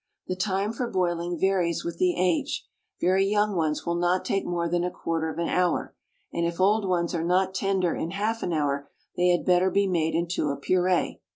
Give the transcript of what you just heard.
The time for boiling varies with the age; very young ones will not take more than a quarter of an hour, and if old ones are not tender in half an hour they had better be made into a puree.